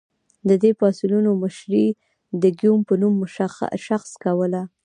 د دې پاڅونونو مشري د ګیوم په نوم شخص کوله.